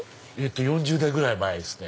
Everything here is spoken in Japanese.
４０年ぐらい前ですね。